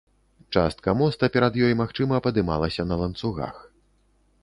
Частка моста перад ёй, магчыма, падымалася на ланцугах.